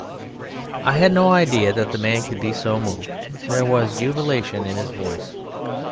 I had no idea the man could be so moved: there was jubilation in his voice.